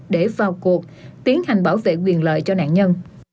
để vào cuộc tiến hành bảo vệ quyền lợi cho nạn nhân